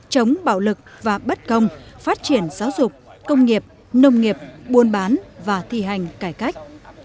chống bạo lực và bất công phát triển giáo dục công nghiệp nông nghiệp buôn bán và thi hành cải cách